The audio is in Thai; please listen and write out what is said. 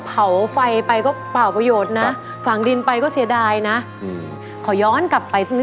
เผาไฟไปก็เปล่าประโยชน์นะ